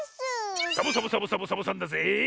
サボサボサボサボサボさんだぜえ！